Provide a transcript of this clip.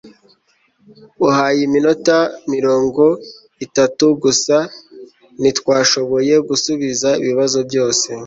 uhaye iminota mirongo itatu gusa, ntitwashoboye gusubiza ibibazo byose